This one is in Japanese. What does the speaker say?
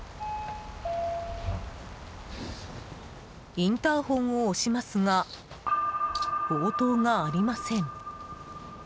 インターホンを押しますが応答がありません。